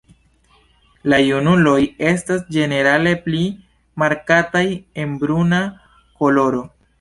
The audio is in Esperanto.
La junuloj estas ĝenerale pli markataj en bruna koloro.